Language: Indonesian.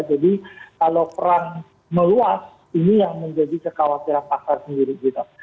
jadi kalau perang meluas ini yang menjadi kekhawatiran pasar sendiri gitu